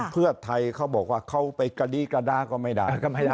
เพื่อไทยเขาบอกว่าเขาไปกระดี้กระดาก็ไม่ได้